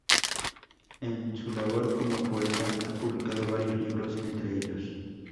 En su labor como poeta ha publicado varios libros, entre ellos